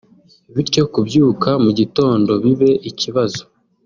bityo kubyuka mu gitondo bibe ikibazo